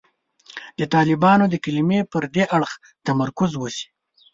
د طالب د کلمې پر دې اړخ تمرکز وشي.